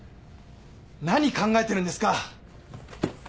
何考えてるんですか？